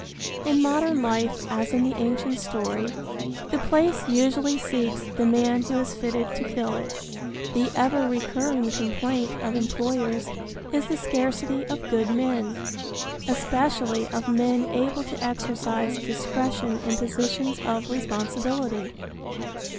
In modern life as in the ancient story, the place usually seeks the man who is fitted to fill it. The ever recurring complaint of employers is the scarcity of good men, especially of men able to exercise discretion in positions of responsibility.